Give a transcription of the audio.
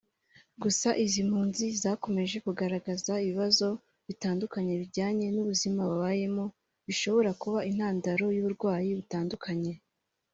Gusa izi mpunzi zakomeje kugaragaza ibibazo bitandukanye bijyanye n’ubuzima babayemo bishobora kuba intandaro y’uburwayi butandukanye